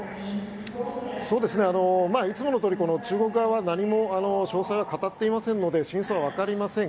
いつものとおり中国側は何も詳細は語っていませんので真相はわかりません。